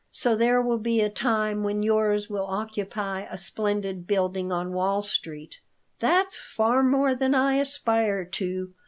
So there will be a time when yours will occupy a splendid building on Wall Street." "That's far more than I aspire to.